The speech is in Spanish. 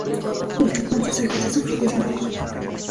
Desde entonces ejerce su profesión de abogado.